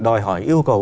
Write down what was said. đòi hỏi yêu cầu